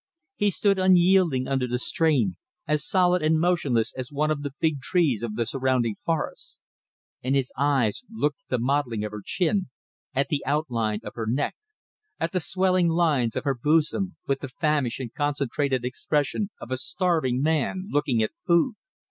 He stood unyielding under the strain, as solid and motionless as one of the big trees of the surrounding forests; and his eyes looked at the modelling of her chin, at the outline of her neck, at the swelling lines of her bosom, with the famished and concentrated expression of a starving man looking at food.